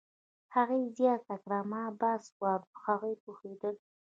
هغې زیاته کړه: "ما بحث واورېد، هغوی پوهېدل